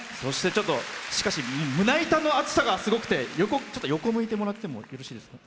しかし胸板の厚さがすごくて、横向いてもらってもよろしいですか？